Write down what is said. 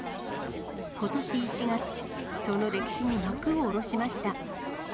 ことし１月、その歴史に幕を下ろしました。